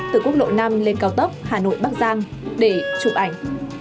từ quốc lộ năm lên cao tốc hà nội bắc giang để chụp ảnh